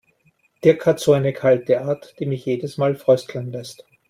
Dirk hat so eine kalte Art, die mich jedes Mal frösteln lässt.